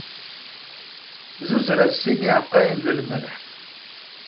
Zzuzer-as sin yiɛqqayen n lmelḥ.